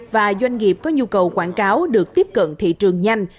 và doanh nghiệp có nhu cầu quảng cáo được tiếp cận thị trường nhanh